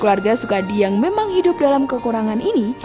keluarga sukadi yang memang hidup dalam kekurangan ini